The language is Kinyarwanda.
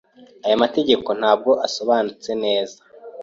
Aya mategeko ntabwo asobanutse neza.